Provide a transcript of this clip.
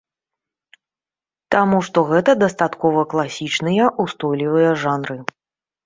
Таму што гэта дастаткова класічныя, устойлівыя жанры.